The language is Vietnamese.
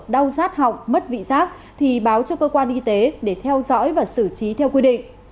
đau rát họng mất vị giác thì báo cho cơ quan y tế để theo dõi và xử trí theo quy định